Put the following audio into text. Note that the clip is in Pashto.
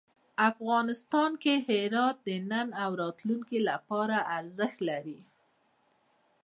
افغانستان کې هرات د نن او راتلونکي لپاره ارزښت لري.